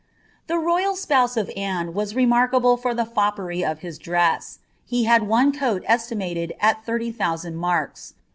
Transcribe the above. The royal spouse of Anne was remarkable for the foppery of his dre«a ; he had one coal estimated at thirty thousand marks.